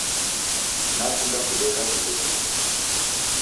Nakunde kudeka vindo visingie